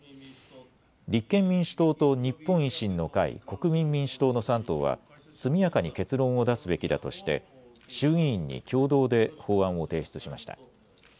立憲民主党と日本維新の会、国民民主党の３党は速やかに結論を出すべきだとして衆議院に共同で法案を提出しました。